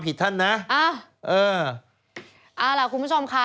ฮ่า